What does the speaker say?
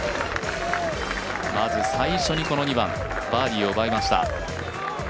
まず最初にこの２番バーディーを奪いました。